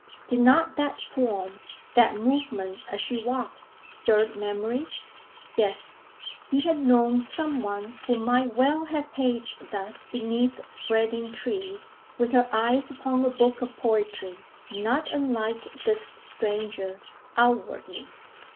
Did not that form, that movement as she walked, stir memories? Yes, he had known someone who might well have paced thus beneath spreading trees, with her eyes upon a book of poetry; not unlike this stranger, outwardly.